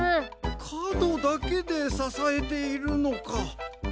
かどだけでささえているのか。